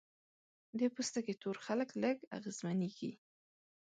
د پوستکي تور خلک لږ اغېزمنېږي.